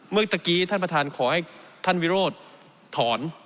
เมื่อกี้ท่านประธานขอให้ท่านวิโรธถอน